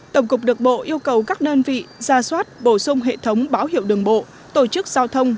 tổng cục đường bộ yêu cầu các đơn vị ra soát bổ sung hệ thống báo hiệu đường bộ tổ chức giao thông